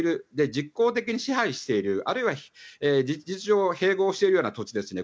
実効的に支配しているあるいは事実上併合しているような土地ですね